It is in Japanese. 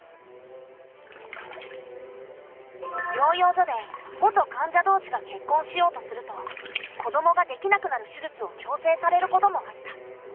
療養所で元患者同士が結婚しようとすると子どもができなくなる手術を強制されることもあった。